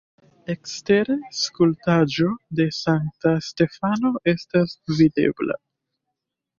Ekstere skulptaĵo de Sankta Stefano estas videbla.